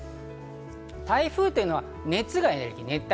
台風というのは熱がエネルギー。